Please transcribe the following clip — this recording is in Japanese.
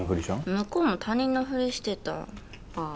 向こうも他人のフリしてたああ